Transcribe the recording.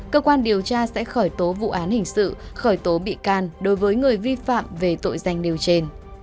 cơ quan điều tra sẽ khởi tố vụ án hình sự khởi tố bị can đối với người vi phạm về tội danh nêu trên